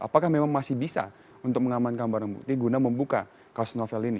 apakah memang masih bisa untuk mengamankan barang bukti guna membuka kasus novel ini